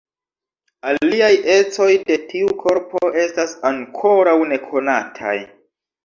Aliaj ecoj de tiu korpo estas ankoraŭ nekonataj.